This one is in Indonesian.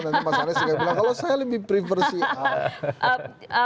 nanti mas anies akan bilang kalau saya lebih prefer sih